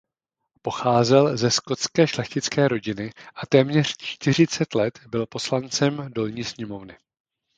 Pocházel ze skotské šlechtické rodiny a téměř čtyřicet let byl poslancem Dolní sněmovny.